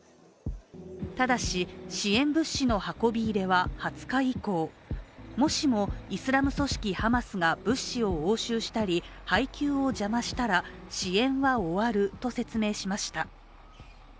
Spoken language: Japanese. ただし、支援物資の運び入れは２０日以降もしもイスラム組織ハマスが物資を押収したり、配給を邪魔したら、支援は終わると説明しました。